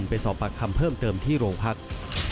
ไปสอบปากคำเพิ่มเติมที่โรงพัก